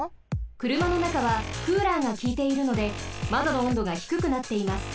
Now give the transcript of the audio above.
くるまのなかはクーラーがきいているのでまどの温度がひくくなっています。